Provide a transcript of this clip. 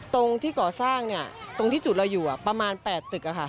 ตรงที่ก่อสร้างตรงที่จุดเราอยู่ประมาณ๘ตึก